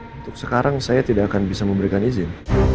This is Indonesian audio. untuk sekarang saya tidak akan bisa memberikan izin